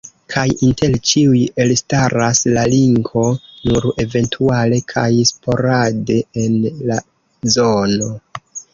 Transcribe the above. Kaj inter ĉiuj elstaras la Linko, nur eventuale kaj sporade en la zono.